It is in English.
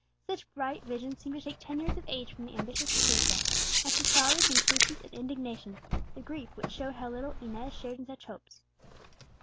Such bright visions seemed to take ten years of age from the ambitious Teresa, and she saw with impatience and indignation the grief which showed how little Inez shared in such hopes.